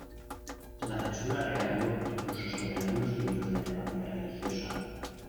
La censura recayó incluso sobre algunos libros de temática religiosa.